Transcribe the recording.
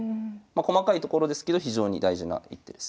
細かいところですけど非常に大事な一手です。